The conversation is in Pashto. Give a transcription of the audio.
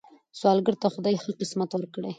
سوالګر ته خدای ښه قسمت ورکړي